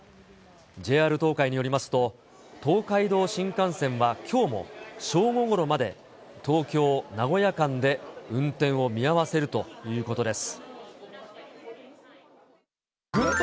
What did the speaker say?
ＪＲ東海によりますと、東海道新幹線はきょうも正午ごろまで、東京・名古屋間で運転を見合わせるということです。